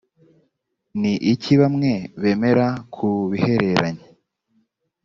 ni iki bamwe bemera ku bihereranye